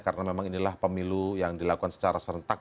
karena memang inilah pemilu yang dilakukan secara serentak